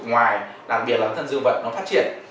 ngoài đặc biệt là thân dư vật nó phát triển